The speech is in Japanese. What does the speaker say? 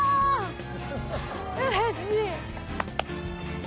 うれしい。